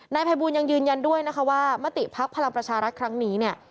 นายภัยบูลยังยืนยันด้วยนะคะว่ามติภักดิ์พลังประชารัฐครั้งนี้เนี่ย